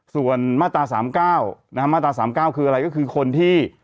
ส่วนมาตรา๓๙มาตรา๓๙คืออะไรก็คือคนที่